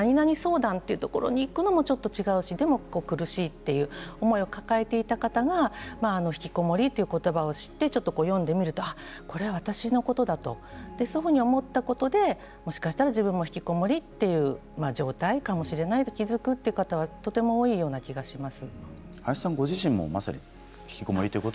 病院に行くのも違うしなんとか相談といくのもちょっと違うしでも苦しいというそれを抱えている方がひきこもりという言葉を知って読んでみるとこれは私のことだとそう思ったことで、もしかしたら自分もひきこもりだという状態かもしれないと思う方がとても多いような東ます。